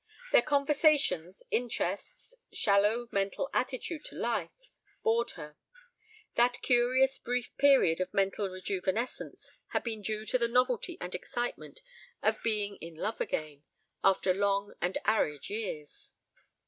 Their conversations, interests, shallow mental attitude to life, bored her. That curious brief period of mental rejuvenescence had been due to the novelty and excitement of being in love again, after long and arid years.